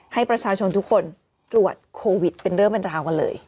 ให้ประชาชนทุกคนตรวจโควิดเป็นเรื่องเป็นราวกันเลย